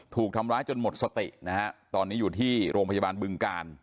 ถูกทำร้ายจนหมดสตินะฮะตอนนี้อยู่ที่โรงพยาบาลบึงกาล